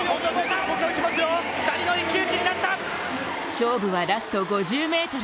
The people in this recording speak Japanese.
勝負はラスト５０ｍ。